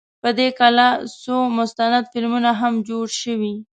په دې کلا څو مستند فلمونه هم جوړ شوي.